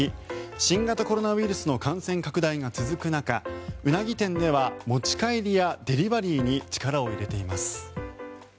新型コロナウイルスの感染拡大が続く中ウナギ店では持ち帰りやデリバリーに力を入れています。